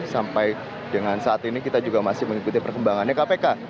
sampai dengan saat ini kita juga masih mengikuti perkembangannya kpk